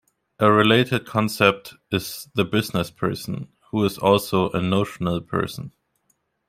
A related concept is the "business person", who is also a notional person.